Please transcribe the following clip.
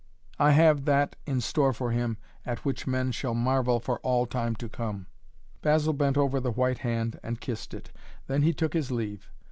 I have that in store for him at which men shall marvel for all time to come!" Basil bent over the white hand and kissed it. Then he took his leave.